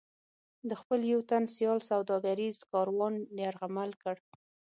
د خپل یو تن سیال سوداګریز کاروان یرغمل کړ.